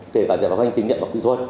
kể cả giải pháp hành chính nhận bằng kỹ thuật